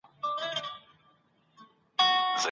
ځينې کيسې به مي په لوړ ږغ لوستلې.